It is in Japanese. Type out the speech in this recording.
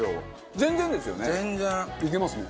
全然ですよね？